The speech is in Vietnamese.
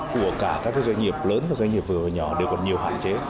của cả các doanh nghiệp lớn và doanh nghiệp vừa và nhỏ đều còn nhiều hạn chế